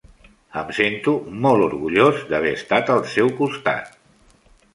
Em sento molt orgullós d'haver estat al seu costat.